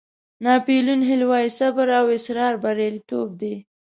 ناپیلیون هیل وایي صبر او اصرار بریالیتوب دی.